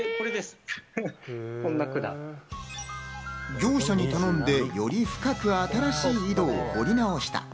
業者に頼んで、より深く新しい井戸を掘り直した。